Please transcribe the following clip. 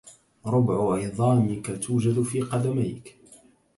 ربع عظامك توجد في قدميك.